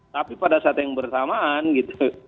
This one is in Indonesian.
tapi pada saat yang bersamaan gitu